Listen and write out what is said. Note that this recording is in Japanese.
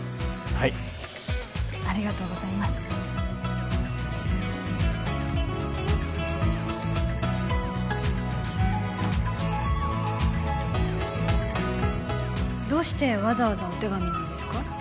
はいありがとうございますどうしてわざわざお手紙なんですか？